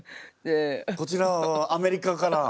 こちら側はアメリカから。